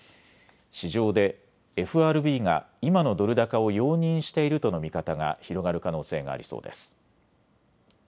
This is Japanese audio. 市場でＦＲＢが今のドル高を容認しているとの見方が広がる可能性がありそうです。